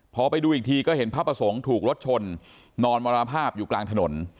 พอไปดูอีกทีก็เห็นพระประสงค์ถูกรถชนนอนมรณภาพอยู่กลางถนน